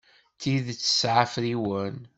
Tidet tesɛa afriwen.